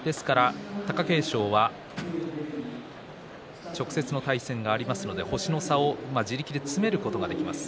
貴景勝は直接の対戦がありますので星の差を自力で詰めることができます。